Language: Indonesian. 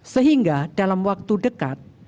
sehingga dalam waktu dekat